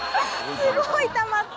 すごいたまった！